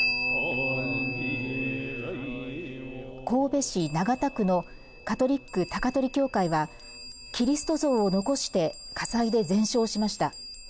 神戸市長田区のカトリックたかとり教会はキリスト像を残して火災で全焼しました。